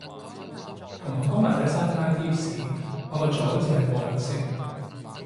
同學講埋晒啲山埃貼士話個咗字係過去式